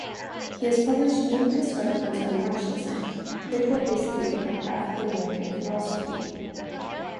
He has published numerous articles on Marxism, critical race theory, and African-American philosophy.